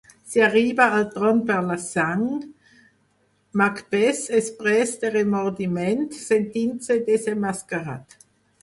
Si arriba al tron per la sang, Macbeth és pres de remordiment sentint-se desemmascarat.